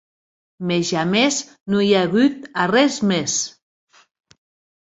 Mès jamès non i a auut arrés mès.